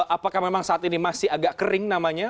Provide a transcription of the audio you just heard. apakah memang saat ini masih agak kering namanya